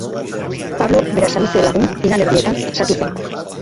Pablo Berasaluze lagun, finalerdietan sartu zen.